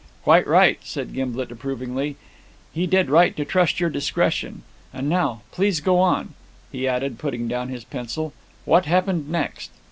"Quite right," said Gimblet approvingly. "He did right to trust your discretion. And now, please, go on," he added, putting down his pencil; "what happened next?"